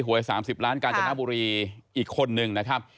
หวย๓๐ล้านกาญจนบุรีอีกคนนึงนะครับ